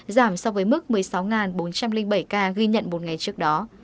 giảm so với mức một mươi sáu bốn trăm linh bảy ca ghi nhận một ngày trước đó